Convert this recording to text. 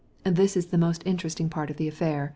"That's the most interesting part of the story.